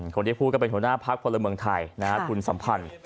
คนที่พูดก็เป็นหัวหน้าพักพลเมืองไทยคุณสัมพันธ์